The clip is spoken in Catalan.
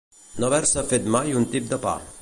No haver-se fet mai un tip de pa.